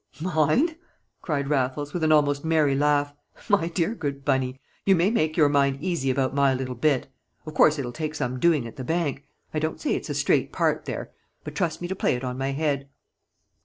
"Mine!" cried Raffles, with an almost merry laugh. "My dear, good Bunny, you may make your mind easy about my little bit! Of course, it'll take some doing at the bank. I don't say it's a straight part there. But trust me to play it on my head."